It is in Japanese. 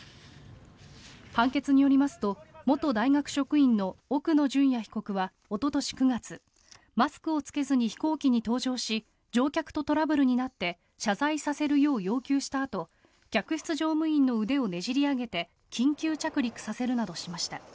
判決によりますと元大学職員の奥野淳也被告はおととし９月マスクを着けずに飛行機に搭乗し乗客とトラブルになって謝罪させるよう要求したあと客室乗務員の腕をねじり上げて緊急着陸させるなどしました。